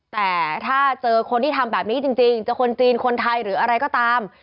แต่ถ้าเจอคนที่ทำแบบนี้จริงจะคนจีนคนไทยหรืออะไรก็ตาม